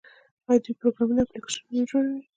آیا دوی پروګرامونه او اپلیکیشنونه نه جوړوي؟